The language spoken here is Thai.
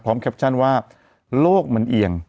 พร้อมแคปชั่นว่าโลกมันเอี่ยง